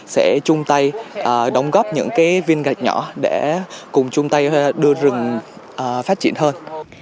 sẽ chung tay đóng góp những viên gạch nhỏ để cùng chung tay đưa rừng phát triển hơn